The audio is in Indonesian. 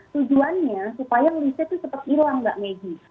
tujuannya supaya listnya itu cepat hilang nggak medis